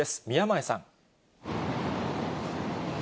宮前さん。